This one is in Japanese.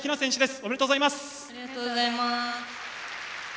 ありがとうございます。